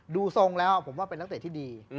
ดูทรงแล้วผมว่าเป็นนักเตะที่ดี